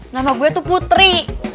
nama gue tuh putri